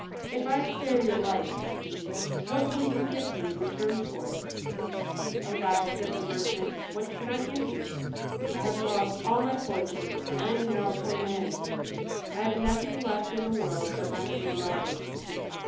"If I spare your life," said he, "what will you give me in return for it?" "Alas," said the merchant, "what can I give you? I have lost all my fortune and I am now a poor man. I have nothing left in the world but my three daughters."